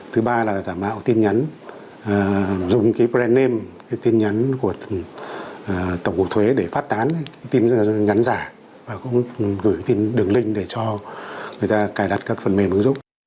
thứ ba là giả mạo tin nhắn dùng cái brand name tin nhắn của tổng cục thuế để phát tán tin nhắn giả và cũng gửi tin đường link để cho người ta cài đặt các phần mềm ứng dụng